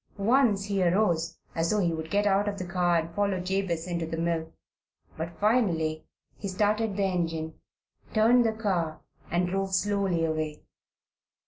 Once he arose, as though he would get out of the car and follow Jabez into the mill. But finally he started the engine, turned the car, and drove slowly away.